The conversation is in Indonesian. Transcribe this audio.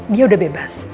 dia udah bebas